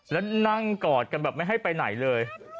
แล้วนั่งกอดกันแบบไม่ให้ไปไหนเลย